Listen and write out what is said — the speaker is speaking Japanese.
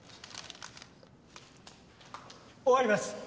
終わります。